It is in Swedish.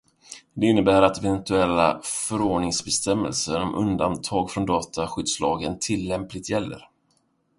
Det innebär att eventuella förordningsbestämmelser om undantag från dataskyddslagens tillämplighet gäller.